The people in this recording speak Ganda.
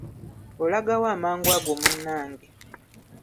Olagawa amangu ago munnange?